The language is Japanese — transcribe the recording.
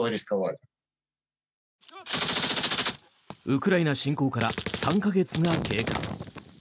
ウクライナ侵攻から３か月が経過。